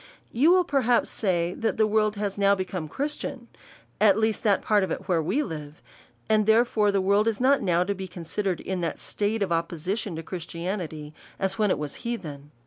You will perhaps say, that the world is now become Christian, at least that part of it where we live ; and therefore the world is not to be considered in that state of opposition to Christianity, as when it was heathen.